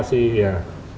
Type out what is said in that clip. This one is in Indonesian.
terima kasih ya